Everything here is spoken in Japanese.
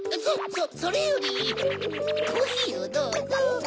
それよりコーヒーをどうぞ。